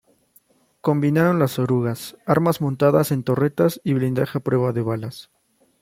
Combinaron las orugas, armas montadas en torretas y blindaje a prueba de balas.